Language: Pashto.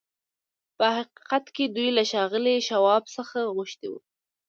په حقيقت کې دوی له ښاغلي شواب څخه غوښتي وو.